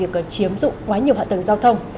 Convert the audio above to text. chiếm dụng quá nhiều hạ tầng giao thông